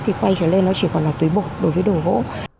thì quay trở lên nó chỉ còn là tuyến bột đối với đồ gỗ